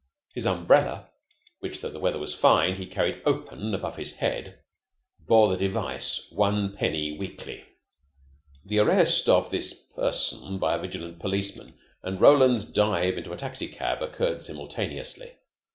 His umbrella, which, tho the weather was fine, he carried open above his head, bore the device "One penny weekly". The arrest of this person by a vigilant policeman and Roland's dive into a taxicab occurred simultaneously.